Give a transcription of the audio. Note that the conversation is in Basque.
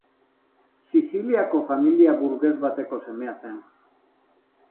Siziliako familia burges bateko semea zen.